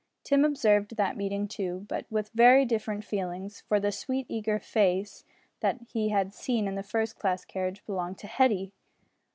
Tim observed that meeting too, but with very different feelings, for the "sweet eager face" that he had seen in the first class carriage belonged to Hetty!